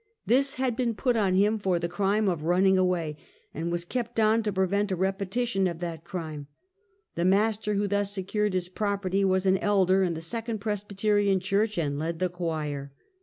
This had been put on him for the crime of running away; and was kept on to prevent a repetition of that crime. The master, who thus secured his property, was an Elder in the Second Presbyterian church, and led the choir.